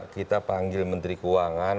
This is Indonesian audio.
kita panggil menteri keuangan